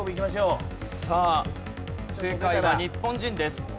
さあ正解は日本人です。